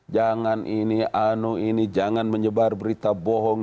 jangan ini anu ini jangan menyebar berita bohong